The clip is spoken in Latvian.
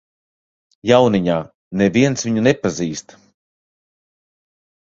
Jauniņā, neviens viņu nepazīst.